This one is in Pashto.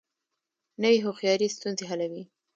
نوې هوښیاري ستونزې حلوي